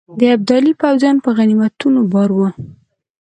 د ابدالي پوځیان په غنیمتونو بار وه.